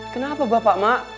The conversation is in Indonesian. kenapa bapak ma